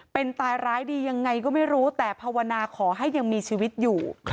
เป็นตายร้ายดียังไงก็ไม่รู้แต่ภาวนาขอให้ยังมีชีวิตอยู่